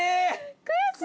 悔しい！